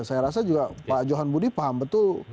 saya rasa juga pak johan budi paham betul